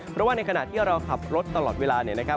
เพราะว่าในขณะที่เราขับรถตลอดเวลาเนี่ยนะครับ